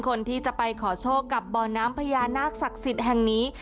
คนที่จะไปขอโชคกับบ่อน้ำพญานาคศักดิ์สิทธิ์แห่งนี้